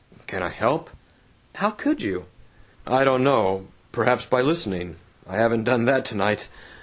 "Can I help?" "How could you?" "I don't know. Perhaps by listening. I haven't done that tonight.